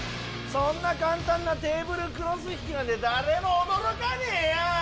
そんな簡単なテーブルクロス引きなんて誰も驚かねえよ！